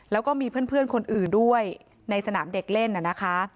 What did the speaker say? แล้วก็มีเพื่อนคนอื่นด้วยในสนามเด็กเล่นน่ะนะคะ